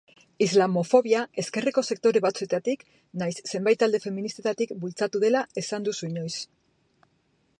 Islamofobia ezkerreko sektore batzuetatik nahiz zenbait talde feministetatik bultzatu dela esan duzu inoiz.